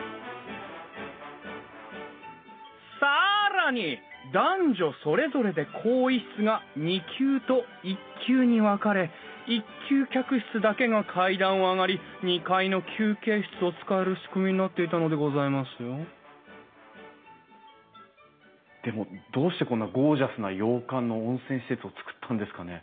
更に男女それぞれで更衣室が２級と１級に分かれ１級客室だけが階段を上がり２階の休憩室を使える仕組みになっていたのでございますよでもどうしてこんなゴージャスな洋館の温泉施設をつくったんですかね？